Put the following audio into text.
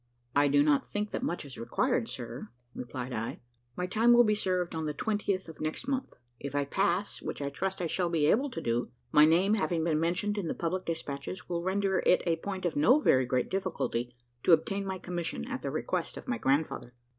"I do not think that much is required, sir," replied I; "my time will be served on the 20th of next month. If I pass, which I trust I shall be able to do, my name having been mentioned in the public despatches will render it a point of no very great difficulty to obtain my commission at the request of my grandfather."